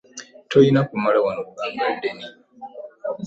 Tolina kumala wano bbanga ddene.